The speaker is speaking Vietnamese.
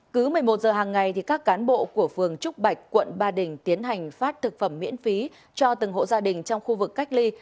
cứ một mươi một giờ hàng ngày các cán bộ của phường trúc bạch quận ba đình tiến hành phát thực phẩm miễn phí cho từng hộ gia đình trong khu vực cách ly